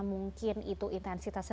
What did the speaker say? mungkin itu intensitasnya